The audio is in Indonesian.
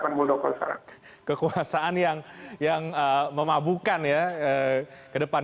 dan juga kekuasaan yang memabukkan ya ke depan